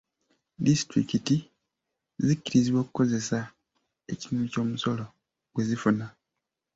Disitulikiti zikkirizibwa okukozesa ekitundu ku musolo gwe zifuna.